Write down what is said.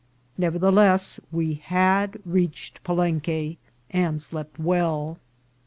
Neverthe less, we had reached Palenque, and slept well.